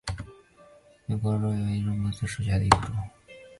扁果润楠为樟科润楠属下的一个种。